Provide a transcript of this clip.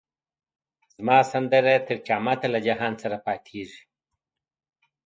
زما سندره تر قیامته له جهان سره پاییږی